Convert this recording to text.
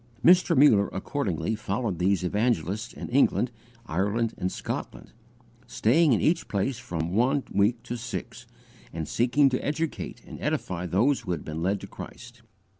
Mr. Muller accordingly followed these evangelists in England, Ireland, and Scotland, staying in each place from one week to six, and seeking to educate and edify those who had been led to Christ.